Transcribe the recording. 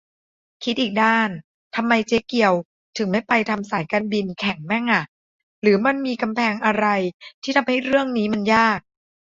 คิดอีกด้าน ทำไมเจ๊เกียวถึงไม่ไปทำสายการบินแข่งมั่งอ่ะ หรือมันมีกำแพงอะไรที่ทำให้เรื่องนี้มันยาก ?